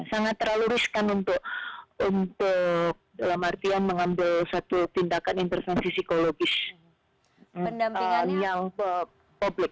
sangat terlalu riskan untuk dalam artian mengambil satu tindakan intervensi psikologis dengan yang publik